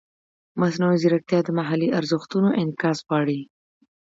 مصنوعي ځیرکتیا د محلي ارزښتونو انعکاس غواړي.